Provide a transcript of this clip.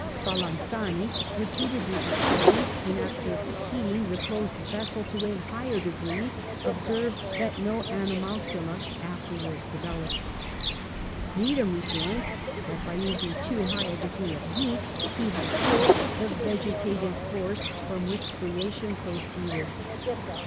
Spallanzani repeated these experiments, and, after heating the closed vessel to a higher degree, observed that no ani malcula afterwards developed. Needham re joined that by using too high a degree of heat he had killed the vegetative force from which creation proceeded.